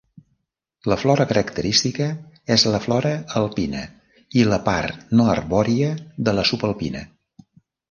La flora característica és la flora alpina i la part no arbòria de la subalpina.